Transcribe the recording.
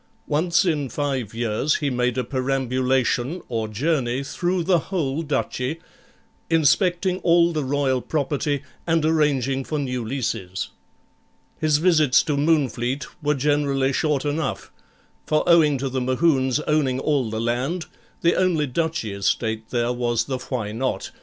Once in five years he made a perambulation, or journey, through the whole duchy, inspecting all the Royal property, and arranging for new leases. His visits to Moonfleet were generally short enough, for owing to the Mohunes owning all the land, the only duchy estate there was the Why Not?